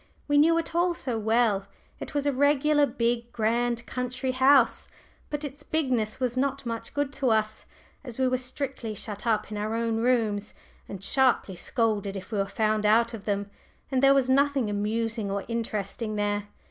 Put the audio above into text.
We knew it all so well. It was a regular big, grand country house; but its bigness was not much good to us, as we were strictly shut up in our own rooms, and sharply scolded if we were found out of them; and there was nothing amusing or interesting there.